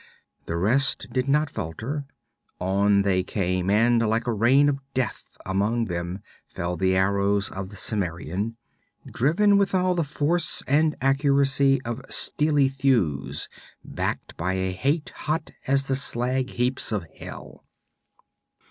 The rest did not falter; on they came, and like a rain of death among them fell the arrows of the Cimmerian, driven with all the force and accuracy of steely thews backed by a hate hot as the slag heaps of hell.